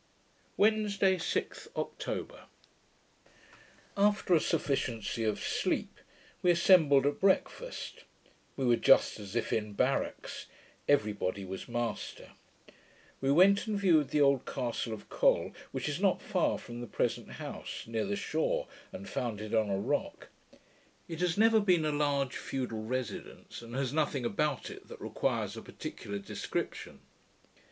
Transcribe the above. Wednesday, 6th October After a sufficiency of sleep, we assembled at breakfast. We were just as if in barracks. Every body was master. We went and viewed the old castle of Col, which is not far from the present house, near the shore, and founded on a rock. It has never been a large feudal residence, and has nothing about it that requires a particular description.